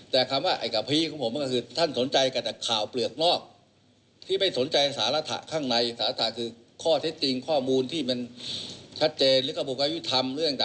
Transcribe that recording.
ถ้าไม่สนใจเอาของคำแปลวิยุธรรมนี้เลย